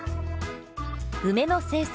梅の生産